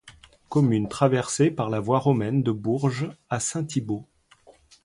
Commune traversée par la voie romaine de Bourges à Saint-Thibault.